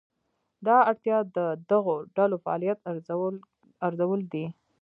دا اړتیا د دغو ډلو فعالیت ارزول دي.